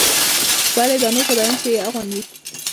ولې دا نور فدايان چې يې اغوندي.